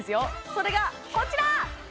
それがこちら！